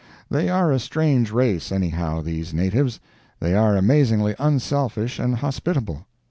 They are a strange race, anyhow, these natives. They are amazingly unselfish and hospitable.